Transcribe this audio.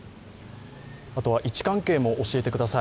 あとは位置関係も教えてください。